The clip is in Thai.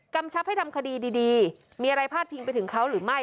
ชับให้ทำคดีดีมีอะไรพาดพิงไปถึงเขาหรือไม่